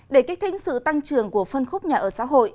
để kích thích sự tăng trưởng của phân khúc nhà ở xã hội